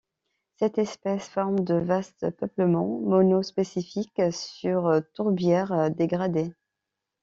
Cette espèce forme de vastes peuplements monospécifiques sur tourbières dégradées.